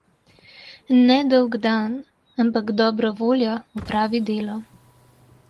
Ne dolg dan, ampak dobra volja opravi delo.